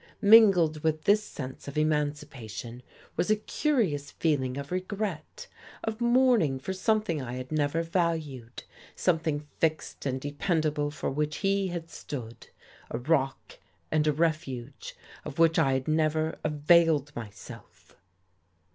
Mingled with this sense of emancipation was a curious feeling of regret, of mourning for something I had never valued, something fixed and dependable for which he had stood, a rock and a refuge of which I had never availed myself!...